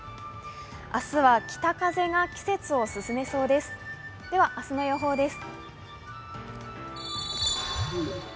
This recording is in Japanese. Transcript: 明日は北風が季節を進めそうです。